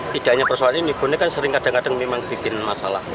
tidak hanya persoalan ini bonek kan sering kadang kadang memang bikin masalah